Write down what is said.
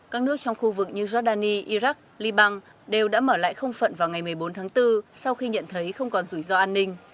các nước trong khu vực như jordan iraq liban đều đã mở lại không phận vào ngày một mươi bốn tháng bốn sau khi nhận thấy không còn rủi ro an ninh